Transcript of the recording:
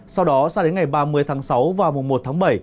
sau đó sau đến ngày ba mươi tháng sáu và mùa một tháng bảy